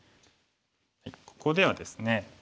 ここではですね